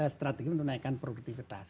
strategi untuk naikkan produktivitas